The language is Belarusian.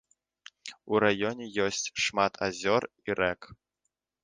У раёне ёсць шмат азёр і рэк.